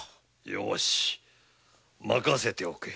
よし任せておけ。